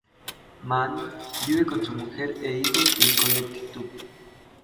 Mann vive con su mujer e hijos en Connecticut.